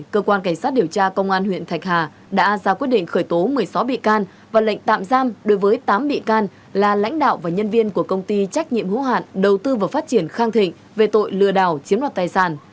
cơ quan cảnh sát điều tra công an huyện thạch hà đã ra quyết định khởi tố một mươi sáu bị can và lệnh tạm giam đối với tám bị can là lãnh đạo và nhân viên của công ty trách nhiệm hữu hạn đầu tư và phát triển khang thịnh về tội lừa đảo chiếm đoạt tài sản